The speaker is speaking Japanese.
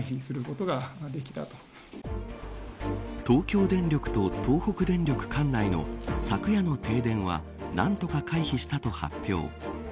東京電力と東北電力管内の昨夜の停電は何とか回避したと発表。